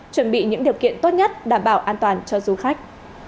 chuẩn bị những điều kiện tốt nhất đảm bảo an toàn cho du khách